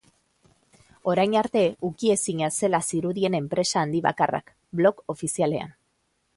Orain arte ukiezina zela zirudien enpresa handi bakarrak, blog ofizialean.